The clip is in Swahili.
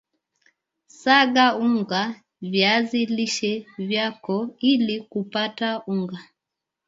saga unga viazi lishe vyako ili kupaata unga